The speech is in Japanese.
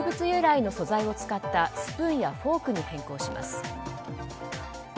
由来の素材を使ったスプーンやフォークに変更します。